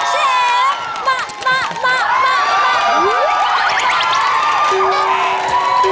เชฟ